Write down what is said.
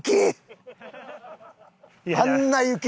あんな雪で。